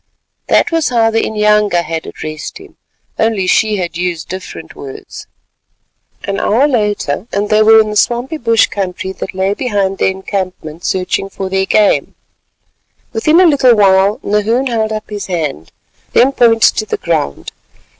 That was how the inyanga had addressed him—only she used different words. An hour later, and they were in the swampy bush country that lay behind the encampment searching for their game. Within a very little while Nahoon held up his hand, then pointed to the ground.